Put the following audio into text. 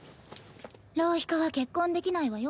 浪費家は結婚できないわよ。